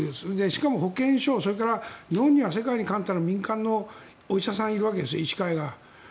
しかも保健所、それから日本には世界に冠たる民間のお医者さんがいるわけです医師会が。